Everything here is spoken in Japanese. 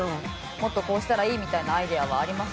もっとこうしたらいいみたいなアイデアはあります？